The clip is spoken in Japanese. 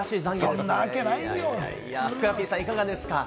ふくらＰさん、いかがですか？